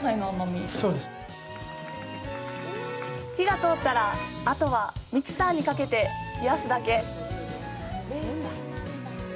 火が通ったら、あとはミキサーにかけて冷やすだけ。